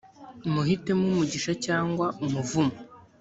muhitemo umugisha cyangwa umuvumo